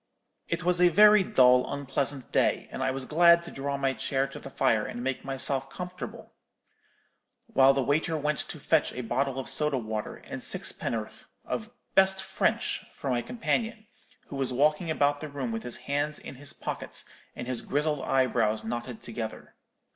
"It was a very dull unpleasant day, and I was glad to draw my chair to the fire and make myself comfortable, while the waiter went to fetch a bottle of soda water and sixpenn'orth of 'best French' for my companion, who was walking about the room with his hands in his pockets, and his grizzled eyebrows knotted together.